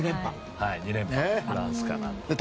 ２連覇、フランスかなと。